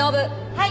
はい。